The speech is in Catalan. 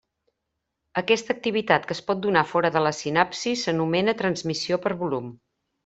Aquesta activitat que es pot donar fora de la sinapsi s'anomena transmissió per volum.